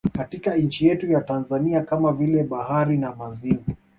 Katika nchi yetu ya Tanzania kama vile bahari na maziwa